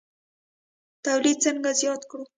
تولید څنګه زیات کړو؟